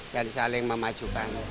jadi saling membeli